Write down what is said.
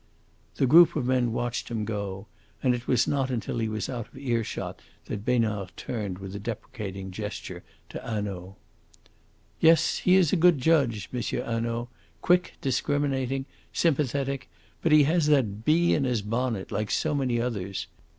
The group of men watched him go, and it was not until he was out of earshot that Besnard turned with a deprecating gesture to Hanaud. "Yes, yes, he is a good judge, M. Hanaud quick, discriminating, sympathetic; but he has that bee in his bonnet, like so many others.